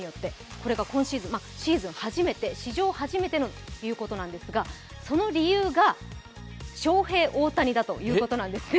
これが史上初めてということなんですがその理由がショウヘイオオタニだということなんですね。